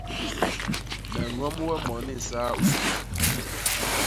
Me ñom we moni nsaa u suglu.